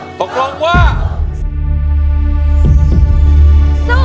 อินโทรเพลงที่๓มูลค่า๔๐๐๐๐บาทมาเลยครับ